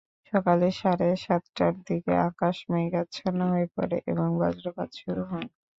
সকাল সাড়ে সাতটার দিকে আকাশ মেঘাচ্ছন্ন হয়ে পড়ে এবং বজ্রপাত শুরু হয়।